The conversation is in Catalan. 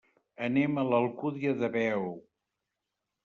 Anem a l'Alcúdia de Veo.